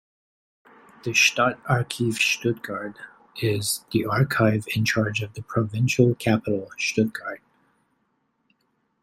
The Stadtarchiv Stuttgart is the archive in charge of the provincial capital Stuttgart.